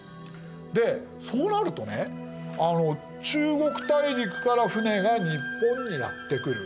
でそうなるとね中国大陸から船が日本にやって来る。